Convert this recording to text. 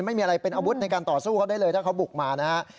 ไม่มีอะไรเป็นอาวุธในการต่อสู้เขาได้เลยถ้าเขาบุกมานะฮะ